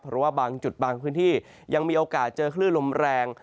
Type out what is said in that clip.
เพราะว่าบางจุดบางพื้นที่ยังมีโอกาสเจอคลื่นลมแรง